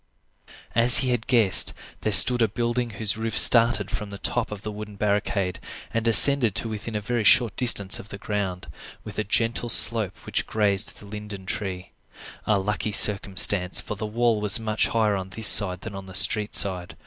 As he had guessed, there stood a building whose roof started from the top of the wooden barricade and descended to within a very short distance of the ground, with a gentle slope which grazed the linden tree. A lucky circumstance, for the wall was much higher on this side than on the street side.